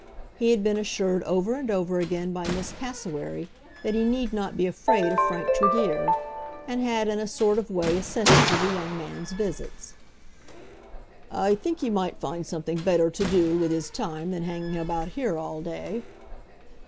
He had been assured over and over again by Miss Cassewary that he need not be afraid of Frank Tregear, and had in a sort of way assented to the young man's visits. "I think he might find something better to do with his time than hanging about here all day."